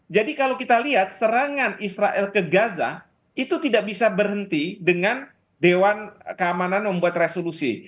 jadi kalau kita lihat serangan israel ke gaza itu tidak bisa berhenti dengan dewan keamanan membuat resolusi